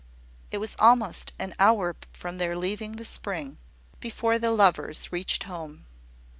It was almost an hour from their leaving the Spring before the lovers reached home.